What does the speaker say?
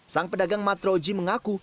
sang pedagang matroji mengaku